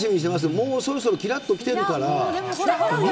もうそろそろ、きらっときてるから。